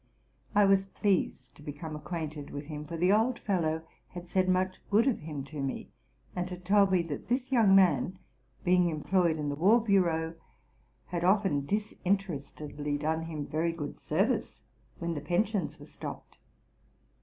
I was pleased to become acquainted with him; for the old fellow had said much good of him to me, and had told me that this young man, being employed in the war bureau, had often disinterestedly done him very good service when the pensions were stopped.